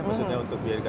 maksudnya untuk biaya